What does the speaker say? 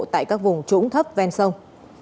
tại các vùng trũng thấp ven sông